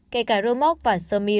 kể cả rô móc và sơ miệng